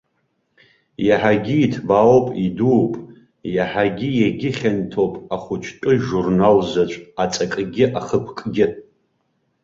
Иаҳагьы иҭбаауп, идууп, иаҳагьы иагьыхьанҭоуп ахәыҷтәы журнал заҵә аҵакгьы ахықәкгьы.